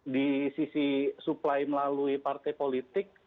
di sisi supply melalui partai politik